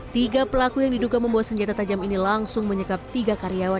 tiga pelaku yang diduga membawa senjata tajam ini langsung menyekap tiga karyawan